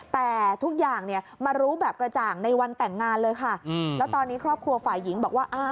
แต่ทุกอย่างเนี่ยมารู้แบบกระจ่างในวันแต่งงานเลยค่ะแล้วตอนนี้ครอบครัวฝ่ายหญิงบอกว่า